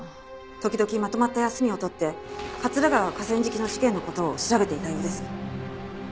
時々まとまった休みを取って桂川河川敷の事件の事を調べていたようです。